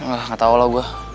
alah gak tau lah gue